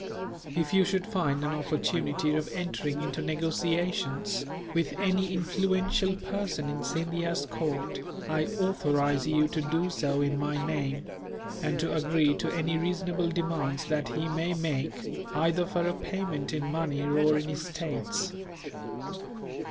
If you should find an opportunity of entering into negotiations, with any influential person in Scindia's court, I authorize you to do so in my name; and to agree to any reasonable demands that he may make, either for a payment in money or in estates.